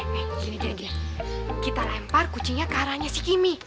nih gini gini kita lempar kucingnya ke arahnya si kimi